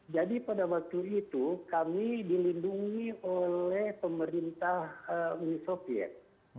jadi pada waktu itu kami dilindungi oleh pemerintah uni soviet